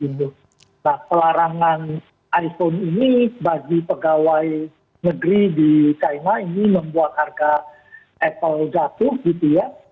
nah pelarangan iphone ini bagi pegawai negeri di china ini membuat harga apple jatuh gitu ya